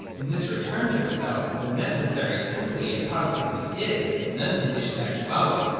In this return to itself the necessary simply and positively is, as unconditioned actuality.